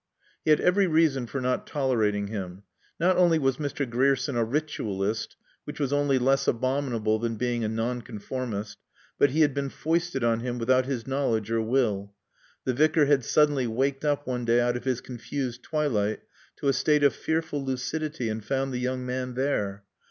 He had every reason for not tolerating him. Not only was Mr. Grierson a ritualist, which was only less abominable than being a non conformist, but he had been foisted on him without his knowledge or will. The Vicar had simply waked up one day out of his confused twilight to a state of fearful lucidity and found the young man there.